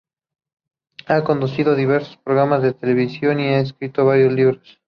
Ha conducido diversos programas de televisión y ha escrito varios libros.